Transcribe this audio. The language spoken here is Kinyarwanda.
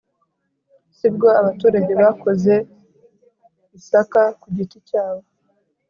sibwo abaturage bakoze isaka kugiti cyabo.